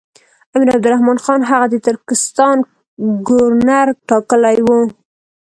امیر عبدالرحمن خان هغه د ترکستان ګورنر ټاکلی وو.